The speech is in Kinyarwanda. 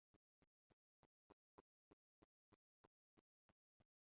Wahisemo kugaruka ukavugana na so.